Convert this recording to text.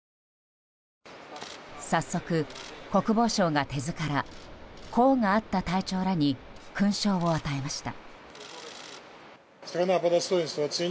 早速、国防相が手ずから功があった隊長らに勲章を与えました。